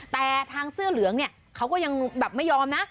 แต่ทางเสื้อเหลืองเนี่ยเขาก็ยังแบบไม่ยอมนะ